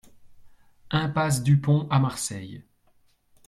Impasse Dupont à Marseille